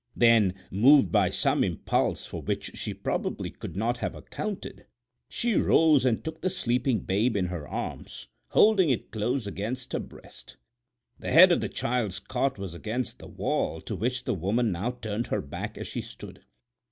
Then, moved by some impulse for which she probably could not have accounted, she rose and took the sleeping babe in her arms, holding it close against her breast. The head of the child's cot was against the wall to which the woman now turned her back as she stood.